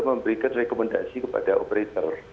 memberikan rekomendasi kepada operator